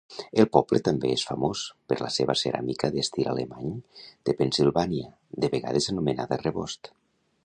El poble també és famós per la seva ceràmica d'estil alemany de Pennsilvània, de vegades anomenada rebost.